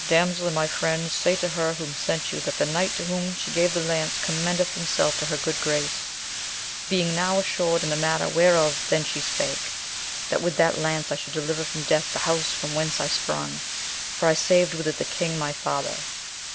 Damsel and my friend, say to her who sent you, that the knight to whom she gave the lance commend eth himself to her good grace, being now assured in the matter whereof then she spake, that with that lance I should deliver from death the house from whence I sprung, for I saved with it the king my father.